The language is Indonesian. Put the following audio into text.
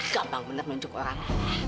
gampang benar menunjuk orang